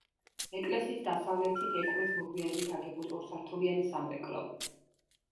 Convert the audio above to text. ეკლესიის დასავლეთით ეკვრის მოგვიანებით აგებული ორსართულიანი სამრეკლო.